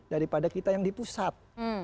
daripada kita yang di pusat